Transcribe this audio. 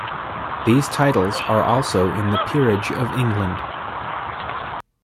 These titles are also in the Peerage of England.